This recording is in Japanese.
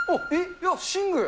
いや、寝具！